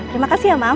terima kasih ya ma